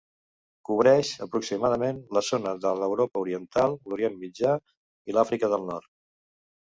Cobreix, aproximadament, la zona de l'Europa Oriental, l'Orient Mitjà i l'Àfrica del Nord.